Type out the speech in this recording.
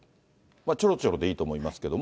ちょろちょろでいいと思いますけれども。